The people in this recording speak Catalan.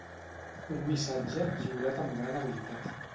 Un missatge lliurat amb gran habilitat.